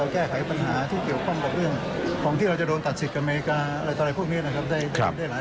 แก้ไขปัญหาที่เกี่ยวข้องกับเรื่องของที่เราจะโดนตัดสิทธิ์กับอเมริกาอะไรต่อไปพวกนี้ได้หลายประการ